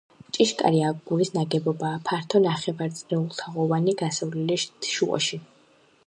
ჭიშკარი აგურის ნაგებობაა, ფართო, ნახევარწრიულთაღოვანი გასასვლელით შუაში.